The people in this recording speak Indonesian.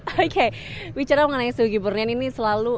oke bicara mengenai sugi kurnia ini selalu